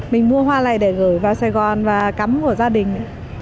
mình mua hoa này để gửi vào sài gòn và cắm của gia đình